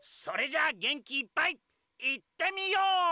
それじゃあげんきいっぱいいってみよう！